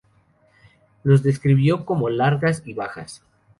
Los describió como largas y bajas.